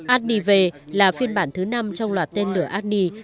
angnive là phiên bản thứ năm trong loạt tên lửa angnive